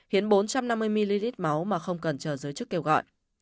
hiến bốn trăm năm mươi ml máu mà không cần chờ giới chức kêu gọi